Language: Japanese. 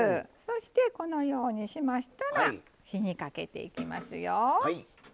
そしてこのようにしましたら火にかけていきますよ。